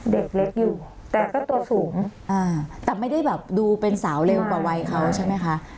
เด็กเล็กอยู่แต่ก็ตัวสูงแต่ไม่ได้แบบดูเป็นสาวเร็วกว่าวัยเขาใช่ไหมคะ